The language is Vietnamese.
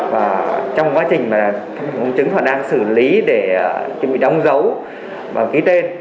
và trong quá trình mà công chứng họ đang xử lý để chuẩn bị đóng dấu và ký tên